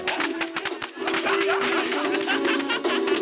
ワハハハハ。